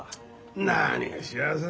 何が幸せだ。